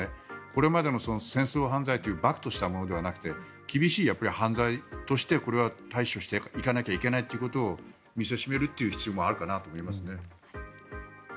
これまでの戦争犯罪というばくとしたものではなくて厳しい犯罪としてこれは対処していかなきゃいけないということを見せしめるという必要もあるかなと思いますね。